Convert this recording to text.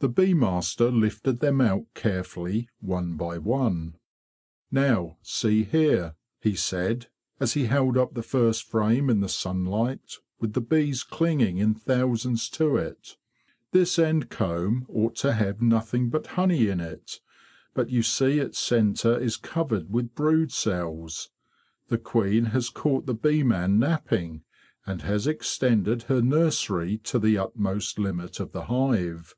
The bee master lifted them out carefully one by one. '" Now, see here,'' he said, as he held up the first frame in the sunlight, with the bees clinging in thousands to it, '"' this end comb ought to have nothing but honey in it, but you see its centre is covered with brood cells. The queen has caught the bee man napping, and has extended her nursery to the utmost limit of the hive.